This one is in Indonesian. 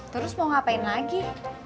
terus mau ngapain lagi